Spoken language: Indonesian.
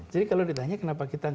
jadi kalau ditanya kenapa kita tidak